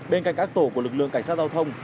bên cạnh các tổ của lực lượng cảnh sát giao thông